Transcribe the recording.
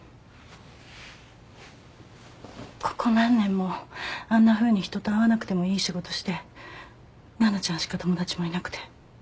ここ何年もあんなふうに人と会わなくてもいい仕事して奈々ちゃんしか友達もいなくて。